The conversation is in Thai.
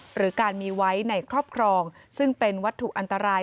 หรือการมีไว้ในครอบครองซึ่งเป็นวัตถุอันตราย